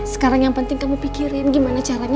sekarang yang penting kamu pikirin gimana caranya